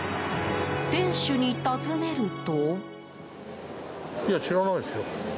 店主に尋ねると。